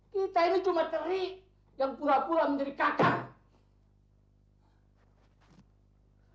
kita ini cuma terik yang pula pula menjadi kakak